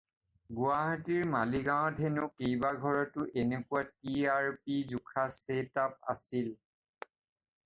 গুৱাহাটীৰ মালিগাঁৱত হেনো কেইবাঘৰতো এনেকুৱা টি আৰ পি জোখা চেট আপ আছিল।